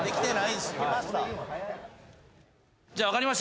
じゃあ分かりました。